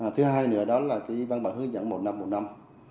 thứ hai nữa đó là văn bản hướng dẫn một năm một năm